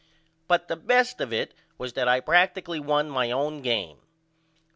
But the best of it was that I practally won my own game.